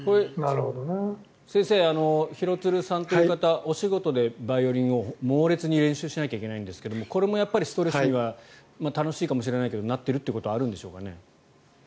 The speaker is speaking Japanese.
先生、廣津留さんという方お仕事でバイオリンを猛烈に練習しなきゃいけないんですがこれもストレスには楽しいかもしれないけどなっているということはあるんでしょうかね。